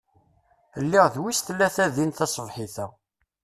Lliɣ d wis tlata din taṣebḥit-a.